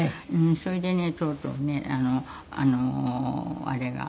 それでねとうとうねあれが。